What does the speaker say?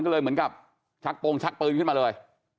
ก็เลยเหมือนกับชักโปรงชักปืนขึ้นมาเลย